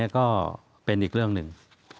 ก็เป็นอีกเรื่องหนึ่ง